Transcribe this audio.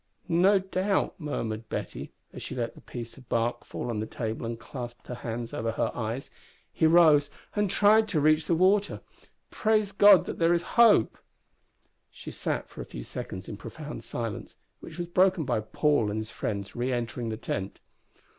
"No doubt," murmured Betty, as she let the piece of bark fall on the table and clasped her hands over her eyes, "he rose and tried to reach the water. Praise God that there is hope!" She sat for a few seconds in profound silence, which was broken by Paul and his friends re entering the tent.